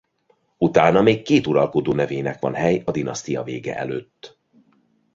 Utána még két uralkodó nevének van hely a dinasztia vége előtt.